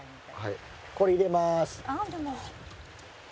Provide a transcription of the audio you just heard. これ入れます。